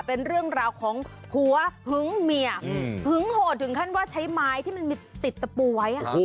เป็นเรื่องราวของผัวหึงเมียหึงโหดถึงขั้นว่าใช้ไม้ที่มันมีติดตะปูไว้